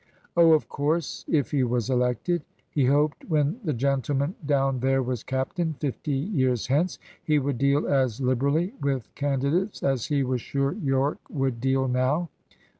Oh, of course, if he was elected. He hoped when the gentleman down there was captain, fifty years hence, he would deal as liberally with candidates as he was sure Yorke would deal now.